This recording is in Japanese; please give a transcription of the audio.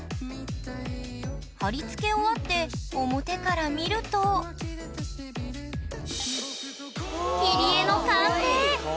貼り付け終わって表から見ると切り絵の完成！